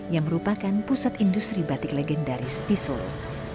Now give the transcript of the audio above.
yang merupakan pusat industri batik legendaris di solo